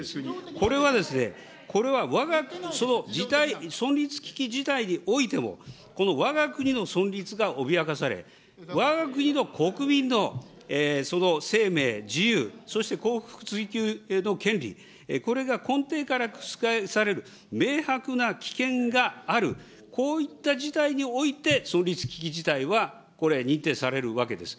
これはですね、これは、存立危機事態においても、このわが国の存立が脅かされ、わが国の国民のその生命、自由、そして幸福追求の権利、これが根底から覆される明白な危険がある、こういった事態において、存立危機事態はこれ、認定されるわけです。